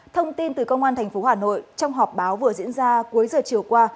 thông tin từ công an tp hà nội trong họp báo vừa diễn ra cuối giờ chiều qua